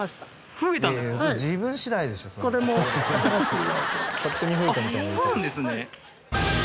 そうなんですね。